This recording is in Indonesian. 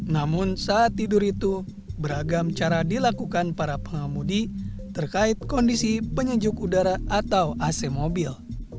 namun saat tidur itu beragam cara dilakukan para pengemudi terkait kondisi penyejuk udara atau ac mobil